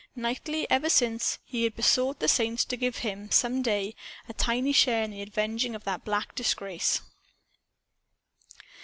Nightly, ever since, he had besought the saints to give him, some day, a tiny share in the avenging of that black disgrace.